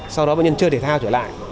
sau đó bệnh nhân chơi thể thao trở lại